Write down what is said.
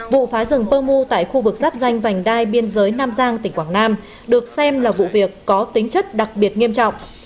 vụ phá rừng pơ mu tại khu vực giáp danh vành đai biên giới nam giang tỉnh quảng nam được xem là vụ việc có tính chất đặc biệt nghiêm trọng